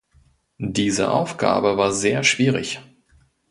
Diese Aufgabe war sehr schwierig.